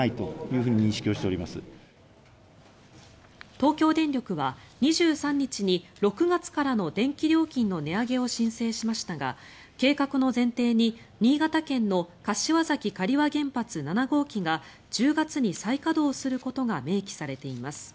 東京電力は２３日に６月からの電気料金の値上げを申請しましたが計画の前提に新潟県の柏崎刈羽原発７号機が１０月に再稼働することが明記されています。